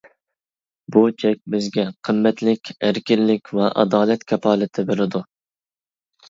بۇ چەك بىزگە قىممەتلىك ئەركىنلىك ۋە ئادالەت كاپالىتى بېرىدۇ.